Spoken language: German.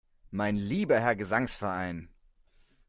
Mein lieber Herr Gesangsverein!